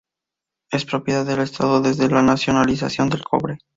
Es propiedad del estado desde la Nacionalización del Cobre.